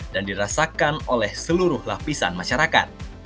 dan dirasakan oleh seluruh lapisan masyarakat